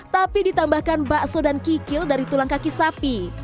tapi ditambahkan bakso dan kikil dari tulang kaki sapi